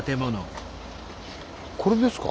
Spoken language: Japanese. これですか？